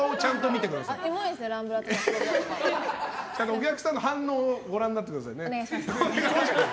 お客さんの反応をご覧になってくださいね。